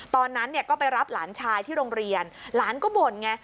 ตอนนั้นเนี่ยก็ไปรับหลานชายที่โรงเรียนหลานก็บ่นไง